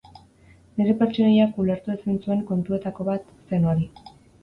Nire pertsonaiak ulertu ezin zuen kontuetako bat zen hori.